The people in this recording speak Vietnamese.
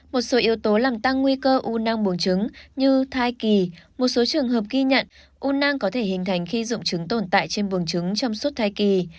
một số yếu tố làm tăng nguy cơ u nãng buồn trứng như thai kỳ một số trường hợp ghi nhận u nang có thể hình thành khi dụng trứng tồn tại trên buồng trứng trong suốt thai kỳ